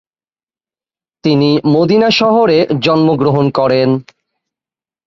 তিনি মদিনা শহরে জন্মগ্রহণ করেন।